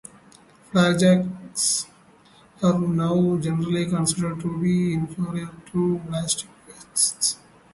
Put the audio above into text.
Flak jackets are now generally considered to be inferior to ballistic vests.